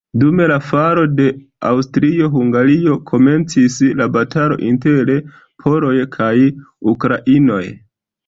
Dum la falo de Aŭstrio-Hungario komencis la batalo inter poloj kaj ukrainoj.